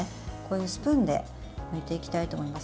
スプーンでむいていきたいと思います。